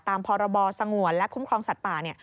พรบสงวนและคุ้มครองสัตว์ป่า